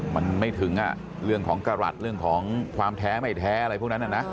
มันไม่ถึงเรื่องของกระหลัดเรื่องของความแท้ไม่แท้อะไรพวกนั้นนะ